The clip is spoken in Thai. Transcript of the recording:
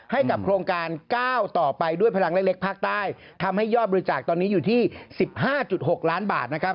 ให้กับโครงการก้าวต่อไปด้วยพลังเล็กภาคใต้ทำให้ยอดบริจาคตอนนี้อยู่ที่๑๕๖ล้านบาทนะครับ